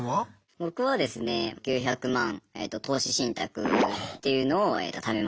僕はですね９００万えと投資信託っていうのを貯めました。